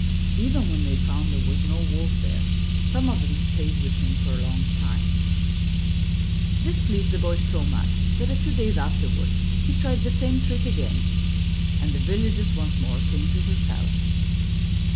Even when they found there was no wolf there, some of them stayed with him for a long time. This pleased the Boy so much that a few days afterward, he tried the same trick again, and the villagers once more came to his help.